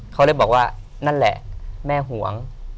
เขาเลยบอกว่านั่นแหละแม่ห่วง